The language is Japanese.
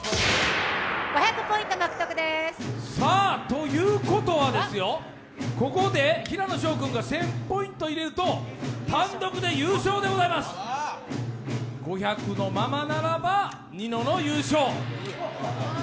ということはですよ、ここで平野紫耀君が１０００ポイント入れると単独で優勝でございます、５００のままならばニノの優勝。